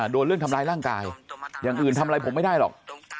โดนเรื่องทำร้ายร่างกายอย่างอื่นทำอะไรผมไม่ได้หรอก